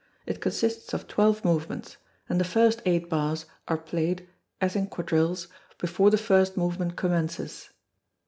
It consists of twelve movements; and the first eight bars are played (as in quadrilles) before the first movement commences.